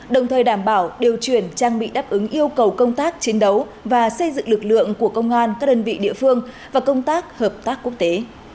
đồng thời đảm bảo điều chuyển trang bị đáp ứng yêu cầu công tác chiến đấu và xây dựng lực lượng của công an các đơn vị địa phương và công tác hợp tác quốc tế